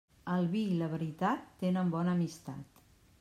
El vi i la veritat tenen bona amistat.